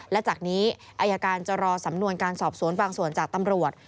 และจากนี้อายการจะรอสำนวนการสอบสวนบางส่วนจากตำรวจ